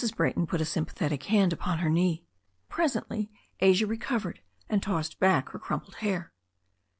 Brayton put a sympathetic hand upon her knee. Presently Asia recovered, and tossed back her crumpled hair.